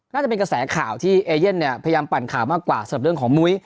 น่าจะเป็นกระแสข่าวที่เอเย่นเนี่ยพยายามปั่นข่าวมากกว่าสำหรับเรื่องของมุ้ย